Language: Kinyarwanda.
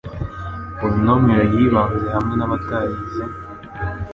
polinomial yibanze hamwe nabatayize